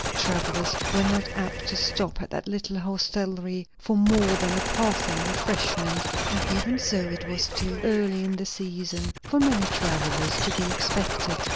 Travellers were not apt to stop at that little hostelry for more than a passing refreshment; and even so, it was too early in the season for many travellers to be expected.